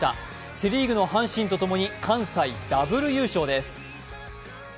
セ・リーグの阪神とともに関西ダブル優勝です。